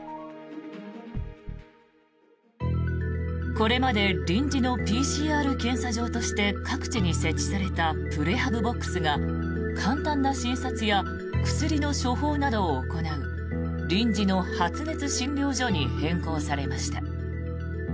これまで臨時のＰＣＲ検査場として各地に設置されたプレハブボックスが簡単な診察や薬の処方などを行う臨時の発熱診療所に変更されました。